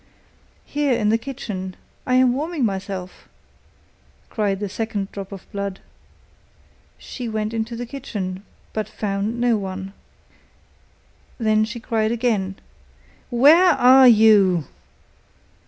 'Here in the kitchen, I am warming myself,' cried the second drop of blood. She went into the kitchen, but found no one. Then she cried again: 'Where are you?